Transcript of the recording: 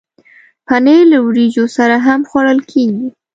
پنېر له وریجو سره هم خوړل کېږي.